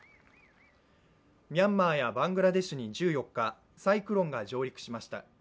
ミャンマーやバングラデシュに１４日、サイクロンが上陸しました。